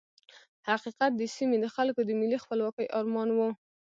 حقیقت د سیمې د خلکو د ملي خپلواکۍ ارمان وو.